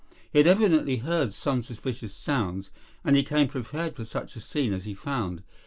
He had evidently heard some suspicious sounds, and he came prepared for such a scene as he found.